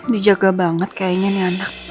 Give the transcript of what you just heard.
dijaga banget kayaknya nih anak